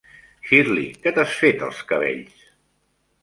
Shirley, que t'has fet als cabells?